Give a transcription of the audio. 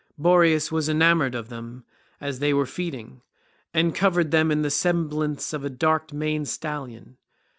Boreas was enamoured of them as they were feeding, and covered them in the semblance of a dark maned stallion.